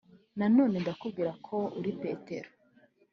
Nanone ndakubwira ko uri Petero